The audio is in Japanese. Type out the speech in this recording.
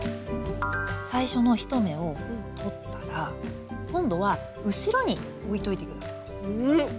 最初の１目を取ったら今度は後ろにおいといて下さい。